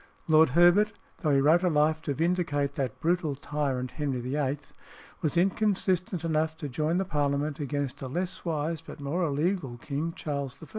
Lord Herbert, though he wrote a Life to vindicate that brutal tyrant Henry VIII., was inconsistent enough to join the Parliament against a less wise but more illegal king, Charles I.